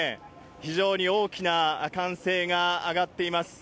非常に大きな歓声が上がっています。